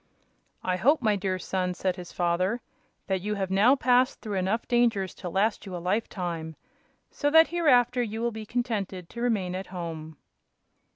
"I hope, my dear son," said the father, "that you have now passed through enough dangers to last you a lifetime, so that hereafter you will be contented to remain at home."